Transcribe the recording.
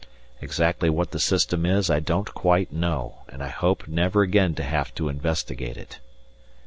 Exactly what the system is, I don't quite know, and I hope never again to have to investigate it.